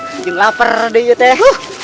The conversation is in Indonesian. jangan lapar deh iya teh